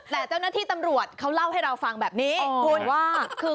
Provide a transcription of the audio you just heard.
แต่เจ้าหน้าที่ตำรวจเขาเล่าให้เราฟังแบบนี้คุณว่าคือ